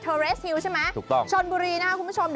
เทอร์เรสฮิวใช่ไหมชนบุรีนะครับคุณผู้ชมถูกต้อง